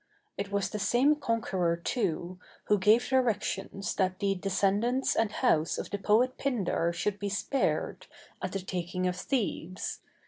It was the same conqueror, too, who gave directions that the descendants and house of the poet Pindar should be spared, at the taking of Thebes.